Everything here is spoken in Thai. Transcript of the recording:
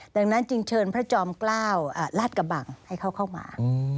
ดังนั้นจึงเชิญพระจอมเกล้าราชกระบังให้เขาเข้ามา